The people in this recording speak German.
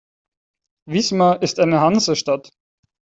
Wismar ist eine Hansestadt.